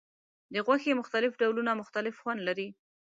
د غوښې مختلف ډولونه مختلف خوند لري.